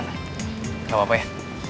gak apa apa ya